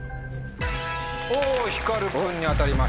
おひかる君に当たりました。